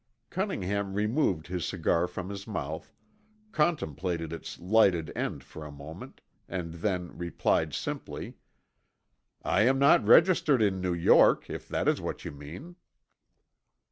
Cunningham removed his cigar from his mouth, contemplated its lighted end for a moment, and then replied simply, "I am not registered in New York, if that is what you mean."